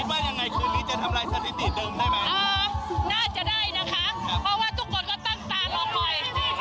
อ่าน่าจะได้นะคะเพราะว่าทุกกฎก็ตั้งตามรอคอยมาตั้งนานแล้วค่ะ